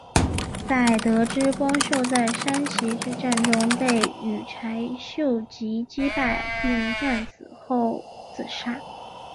在得知光秀在山崎之战中被羽柴秀吉击败并战死后自杀。